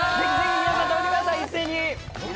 皆さん、食べてください、一斉に。